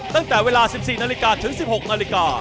ตั้งแต่เวลา๑๔นาฬิกาถึง๑๖นาฬิกา